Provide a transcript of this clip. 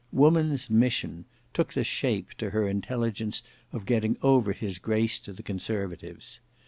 "Woman's mission" took the shape to her intelligence of getting over his grace to the conservatives.